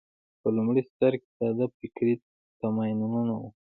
په لومړي سر کې ساده فکري تمایلونه وو